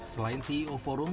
selain ceo forum